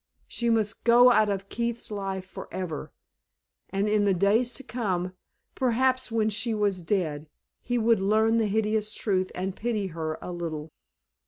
She must go out of Keith's life forever; and in the days to come, perhaps when she was dead, he would learn the hideous truth and pity her a little.